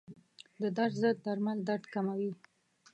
د درد ضد درمل درد کموي.